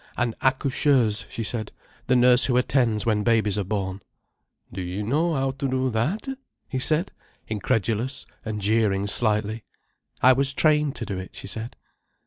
"An accoucheuse!" she said. "The nurse who attends when babies are born." "Do you know how to do that?" he said, incredulous, and jeering slightly. "I was trained to do it," she said.